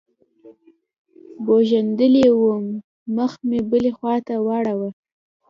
بوږنېدلى وم مخ مې بلې خوا ته واړاوه.